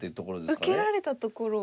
受けられたところを。